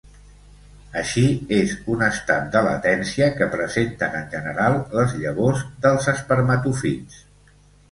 Així, és un estat de latència que presenten en general les llavors dels espermatòfits.